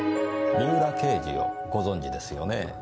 三浦刑事をご存じですよねぇ？